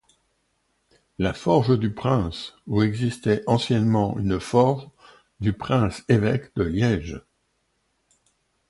La Forge du Prince, où existait anciennement une forge du Prince-Évêque de Liège.